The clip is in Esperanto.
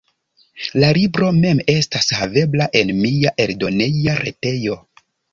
La libro mem estas havebla en mia eldoneja retejo.